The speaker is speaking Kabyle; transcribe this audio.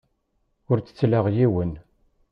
Ur ttettleɣ yiwen.